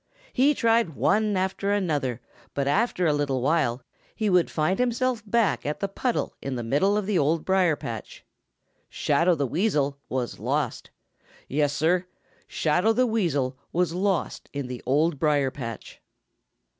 He tried one after another, but after a little while he would find himself back at the puddle in the middle of the Old Briar patch. Shadow the Weasel was lost! Yes, Sir, Shadow the Weasel was lost in the Old Briar patch.